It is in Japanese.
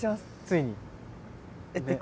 ついにね？